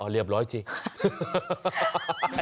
เรียบร้อยจริง